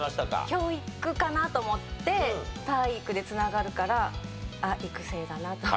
教育かな？と思って体育で繋がるからあっ育成だなと。